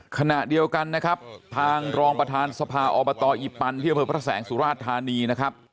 ขณะเดียวกันนะครับทางรองประธานสภาอบตอีปันพศสุราชธานีนะครับ